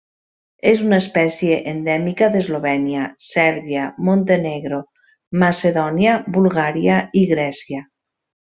És una espècie endèmica d'Eslovènia, Sèrbia, Montenegro, Macedònia, Bulgària i Grècia.